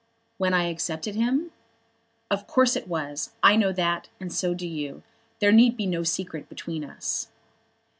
"When I accepted him?" "Of course it was. I know that, and so do you. There need be no secret between us."